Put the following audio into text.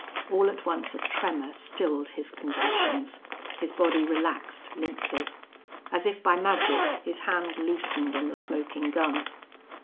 All at once a tremor stilled his convulsions. His body relaxed limply. As if by magic his hand loosened on the smoking gun.